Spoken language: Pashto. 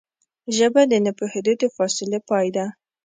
ژبه د نه پوهېدو د فاصلې پای ده